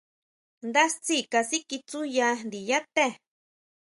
Ndá tsí kasikitsúya ndiyá té.